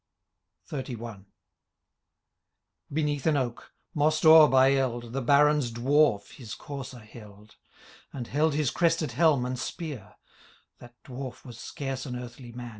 XXXI. Beneath an oak, mossed o^er by eld. The Baron's Dwarf his courser held,^ And held his crested helm and spear : Ihat Dwarf was scarce an earthly man.